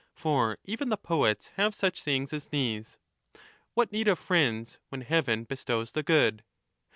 For even the poets have such sayings as these — What need of friends, when Heaven bestows the good